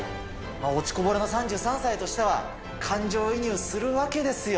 落ちこぼれの３３歳としては、感情移入するわけですよ。